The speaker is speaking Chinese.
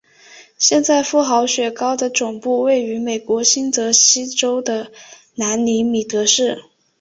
现时富豪雪糕的总部位于美国新泽西州的兰尼米德市。